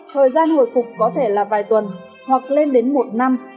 thời gian hồi phục có thể là vài tuần hoặc lên đến một năm